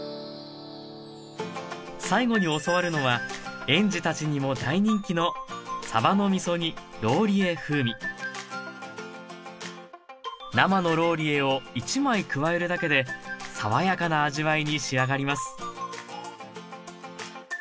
最後に教わるのは園児たちにも大人気の生のローリエを１枚加えるだけで爽やかな味わいに仕上がります